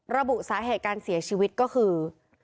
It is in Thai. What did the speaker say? ระบุสาเหตุการเสียชีวิตก็คือ